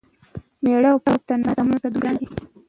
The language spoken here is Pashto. مېړه او پښتانه ځامنو ته دومره ګران دی،